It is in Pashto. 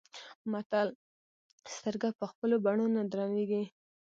متل : سترګه په خپلو بڼو نه درنيږي.